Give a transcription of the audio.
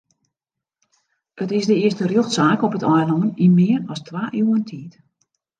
It is de earste rjochtsaak op it eilân yn mear as twa iuwen tiid.